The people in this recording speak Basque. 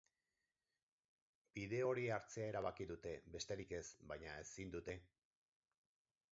Bide hori hartzea erabaki dute, besterik ez, baina ezin dute.